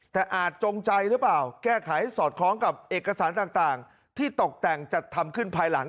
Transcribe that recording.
แต่อาจจงใจหรือเปล่าแก้ไขให้สอดคล้องกับเอกสารต่างที่ตกแต่งจัดทำขึ้นภายหลัง